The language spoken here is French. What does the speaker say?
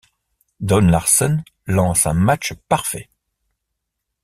Don Larsen lance un match parfait.